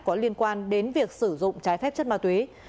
có liên quan đến việc sử dụng trái phép chất ma túy